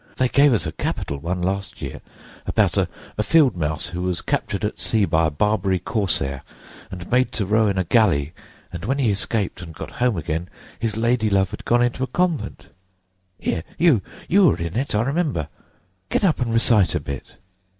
They gave us a capital one last year, about a field mouse who was captured at sea by a Barbary corsair, and made to row in a galley; and when he escaped and got home again, his lady love had gone into a convent. Here, you! You were in it, I remember. Get up and recite a bit."